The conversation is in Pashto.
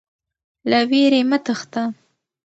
له ویرې مه تښته.